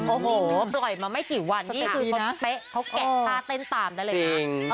โอ้โหปล่อยมาไม่กี่วันนี่คือคนเป๊ะเขาแกะท่าเต้นตามได้เลยนะ